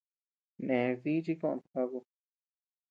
Nès dí chi koʼöd Jibaku.